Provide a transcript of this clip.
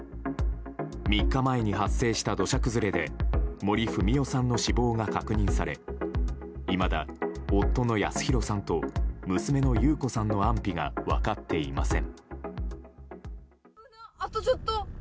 ３日前に発生した土砂崩れで森文代さんの死亡が確認されいまだ夫の保啓さんと娘の優子さんの安否が分かっていません。